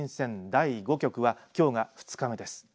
第５局はきょうが２日目です。